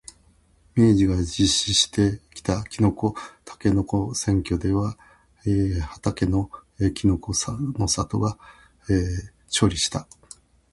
明治が実施したきのこ、たけのこ総選挙ではたけのこの里が勝利した。